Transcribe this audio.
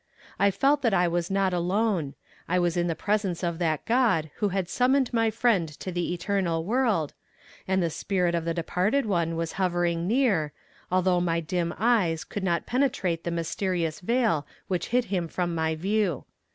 I felt that I was not alone. I was in the presence of that God who had summoned my friend to the eternal world, and the spirit of the departed one was hovering near, although my dim eyes could not penetrate the mysterious veil which hid him from my view.